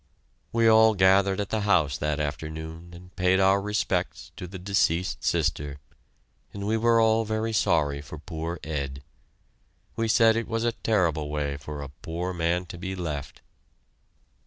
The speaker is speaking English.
We all gathered at the house that afternoon and paid our respects to the deceased sister, and we were all very sorry for poor Ed. We said it was a terrible way for a poor man to be left.